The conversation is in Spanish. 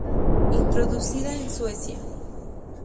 Introducida en Suecia.